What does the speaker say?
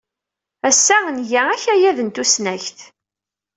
Ass-a, nga akayad n tusnakt.